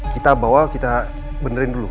kita bawa kita benerin dulu